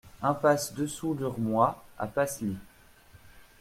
Impasse Dessous l'Urmois à Pasly